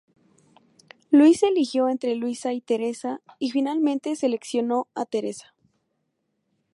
Luis eligió entre Luisa y Teresa y finalmente seleccionó a Teresa.